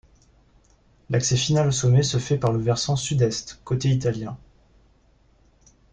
L'accès final au sommet se fait par le versant sud-est, côté italien.